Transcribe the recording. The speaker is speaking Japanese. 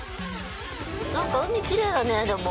なんか海きれいだねでも。